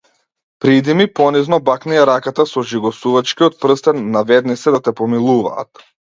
Пријди им понизно, бакни ја раката со жигосувачкиот прстен, наведни се да те помилуваат.